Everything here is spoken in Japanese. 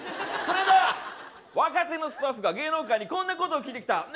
こないだ若手のスタッフが芸能界にこんなことを聞いてきた。